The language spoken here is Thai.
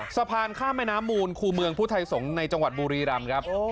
สะพานข้ามแม่น้ำมูลคู่เมืองพุทธไทยสงฆ์ในจังหวัดบุรีรำครับ